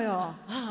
ああ